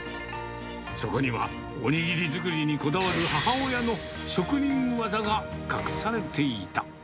そこにはお握り作りにこだわる母親の職人技が隠されていた。